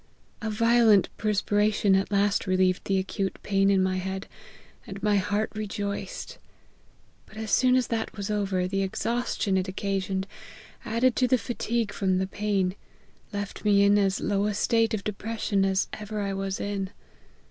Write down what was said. A violent per spiration at last relieved the acute pain in my head, and my heart rejoiced ; but as soon as that was over, the exhaustion it occasioned, added to the fatigue from the pain, left me in as low a state of depression as ever I was in.